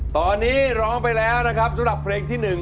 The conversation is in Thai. ตอนนี้ร้องไปแล้วนะครับสำหรับเพลงที่๑